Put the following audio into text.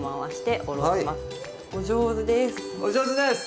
お上手です。